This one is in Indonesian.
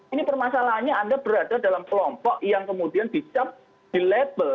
ini permasalahannya anda berada dalam kelompok yang kemudian dicap di label